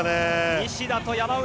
西田と山内。